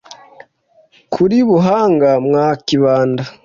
kuri buhanga mwa kibanda